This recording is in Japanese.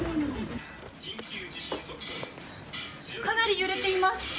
かなり揺れています。